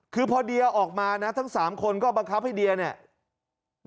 คือพอเดียออกมานะทั้ง๓คนก็บังคับให้เดียเนี่ย